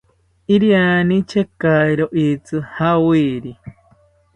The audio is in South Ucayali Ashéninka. Iriani chekairo itzi javiri